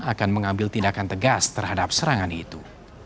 akan mengambil tindakan tegas terhadap serangan itu